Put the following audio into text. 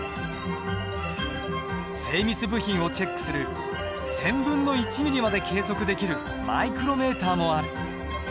精密部品をチェックする１０００分の１ｍｍまで計測できるマイクロメーターもある。